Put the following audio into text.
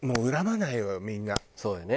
そうだね。